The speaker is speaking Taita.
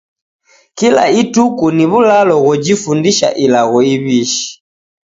Kila ituku ni w'ulalo ghojifundisha ilagho iw'ishi.